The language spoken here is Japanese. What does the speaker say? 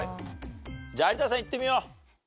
じゃあ有田さんいってみよう。